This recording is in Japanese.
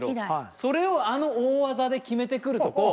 それをあの大技で決めてくるとこ１００点です。